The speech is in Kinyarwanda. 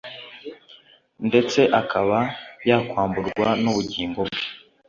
ndetse akaba yakwamburwa n'ubugingo bwe ?